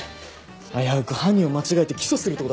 危うく犯人を間違えて起訴するところだったんだから。